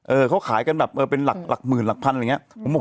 เขาขายกันแบบเออเป็นหลักหมื่นหลักพันอะไรอย่างนี้